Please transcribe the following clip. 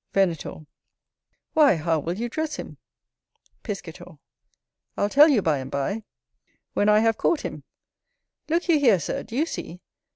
Venator. Why, how will you dress him? Piscator. I'll tell you by and by, when I have caught him. Look you here, Sir, do you see?